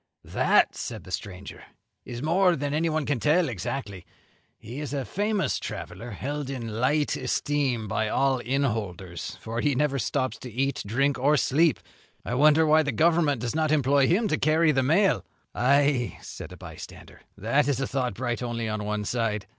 "That," said the stranger, "is more than anyone can tell exactly. He is a famous traveller, held in light esteem by all inn holders, for he never stops to eat, drink, or sleep. I wonder why the Government does not employ him to carry the mail." "Ay," said a bystander, "that is a thought bright only on one side.